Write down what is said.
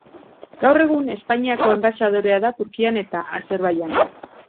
Gaur egun, Espainiako enbaxadorea da Turkian eta Azerbaijanen.